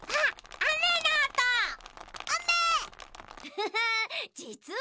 フフフッじつは。